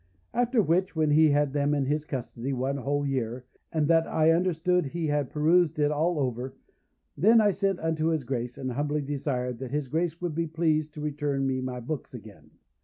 "After which, when he had them in his custody one whole year, and that I understood he had perused it all over, then I sent unto his Grace, and humbly desired that his Grace would be pleased to return me my books again.